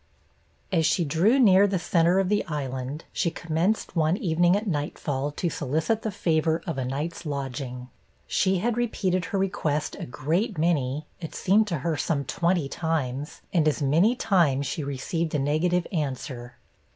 As she drew near the center of the Island, she commenced, one evening at nightfall, to solicit the favor of a night's lodging. She had repeated her request a great many, it seemed to her some twenty times, and as many times she received a negative answer.